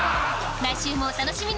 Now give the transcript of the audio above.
来週もお楽しみに！